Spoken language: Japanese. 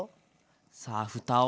さあふたを。